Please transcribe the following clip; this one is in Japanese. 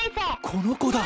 この子だ！